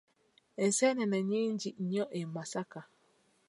Enseenene nnyingi nnyo e Masaka.